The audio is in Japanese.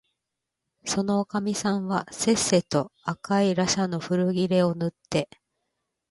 そのおかみさんはせっせと赤いらしゃの古切れをぬって、